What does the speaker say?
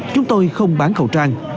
chúng tôi không bán khẩu trang